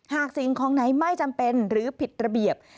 สิ่งของไหนไม่จำเป็นหรือผิดระเบียบ